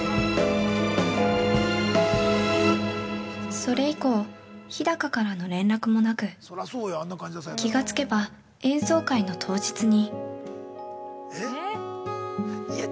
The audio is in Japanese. ◆それ以降飛貴からの連絡もなく気がつけば、演奏会の当日に。